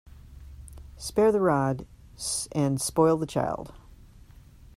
Spare the rod and spoil the child.